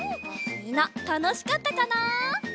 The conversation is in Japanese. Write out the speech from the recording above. みんなたのしかったかな？